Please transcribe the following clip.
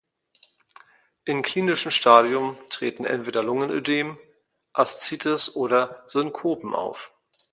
Im "klinischen Stadium" treten entweder Lungenödem, Aszites oder Synkopen auf.